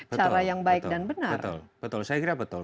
cara yang baik dan benar betul saya kira betul